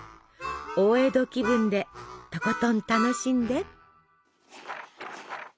大江戸気分でとことん楽しんで！